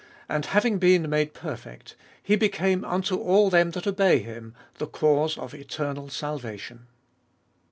And having been made perfect, he became unto all them that obey hi™, the cause of eternal salvation.